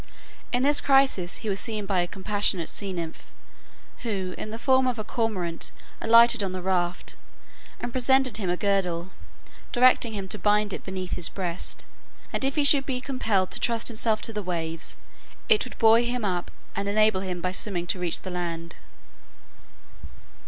In this crisis he was seen by a compassionate sea nymph, who in the form of a cormorant alighted on the raft, and presented him a girdle, directing him to bind it beneath his breast, and if he should be compelled to trust himself to the waves, it would buoy him up and enable him by swimming to reach the land.